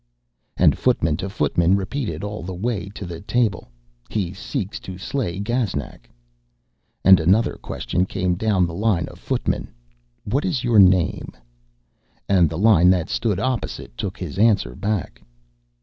And footman to footman repeated all the way to the table: 'He seeks to slay Gaznak.' And another question came down the line of footmen: 'What is your name?' And the line that stood opposite took his answer back.